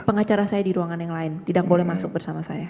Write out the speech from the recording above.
pengacara saya di ruangan yang lain tidak boleh masuk bersama saya